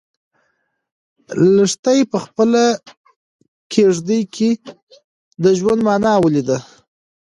لښتې په خپله کيږدۍ کې د ژوند مانا ولیده.